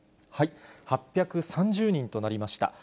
８３０人となりました。